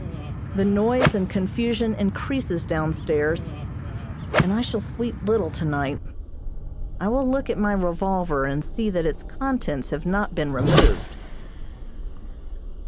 The noise and confusion increases down stairs, and I shall sleep little tonight. I will look at my revolver and see that its contents have not been removed.